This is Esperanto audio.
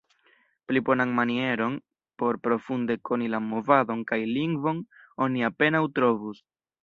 Pli bonan manieron por profunde koni la movadon kaj lingvon oni apenaŭ trovus.